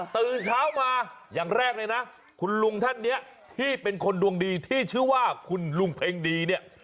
ตื่นเช้ามาอย่างแรกเลยนะคุณลุงท่านเนี่ยที่เป็นคนดวงดีที่ชื่อว่าคุณลุงเพ็งดีเนี่ย